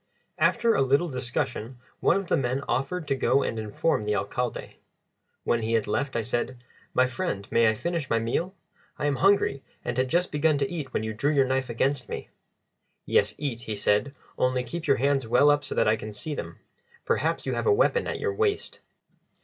After a little discussion one of the men offered to go and inform the Alcalde. When he had left, I said, "My friend, may I finish my meal? I am hungry, and had just begun to eat when you drew your knife against me." "Yes; eat," he said; "only keep your hands well up so that I can see them. Perhaps you have a weapon at your waist."